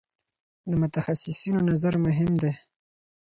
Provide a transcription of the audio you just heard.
د متخصصینو نظر مهم دی.